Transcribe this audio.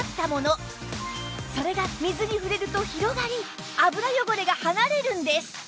それが水に触れると広がり油汚れが離れるんです